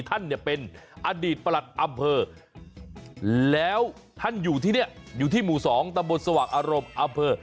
ท่านเนี่ยเป็นอดีตประหลัดอำเภอแล้วท่านอยู่ที่นี่อยู่ที่หมู่๒ตำบลสว่างอารมณ์อำเภอ